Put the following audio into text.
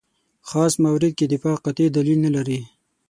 خاص مورد کې دفاع قاطع دلیل نه لري.